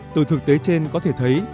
từ thực tế trên có thể thấy